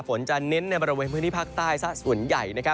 ฝนจะเน้นเป็นบาระเวทย์ภาคใต้ส่วนใหญ่